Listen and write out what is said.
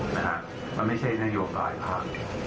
มันไม่ใช่นโยคหลายภาค